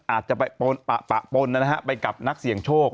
อาจจะไปปะปนนะฮะไปกับนักเสี่ยงโชค